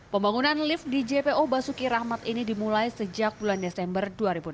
pembangunan lift di jpo basuki rahmat ini dimulai sejak bulan desember dua ribu enam belas